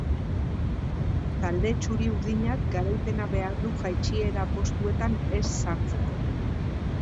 Talde txuri-urdinak garaipena behar du jaitsiera postuetan ez sartzeko.